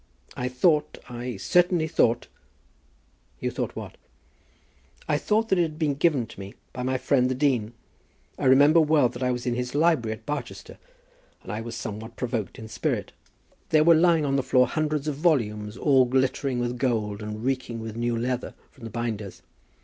I thought; I certainly thought " "You thought what?" "I thought that it had been given to me by my friend the dean. I remember well that I was in his library at Barchester, and I was somewhat provoked in spirit. There were lying on the floor hundreds of volumes, all glittering with gold, and reeking with new leather from the binders.